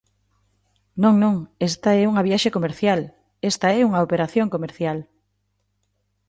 Non, non, esta é unha viaxe comercial, esta é unha operación comercial.